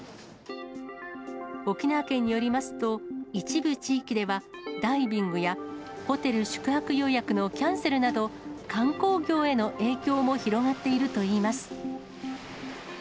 沖縄県によりますと、一部地域では、ダイビングやホテル宿泊予約のキャンセルなど、観光業への影響も広がっているといいます。